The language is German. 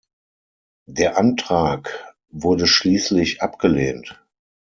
Der Antrag wurde schließlich abgelehnt.